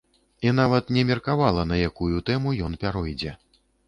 І нават не меркавала, на якую тэму ён пяройдзе.